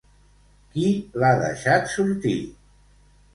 Qui l'ha deixat sortir?